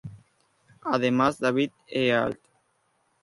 Además, David et al.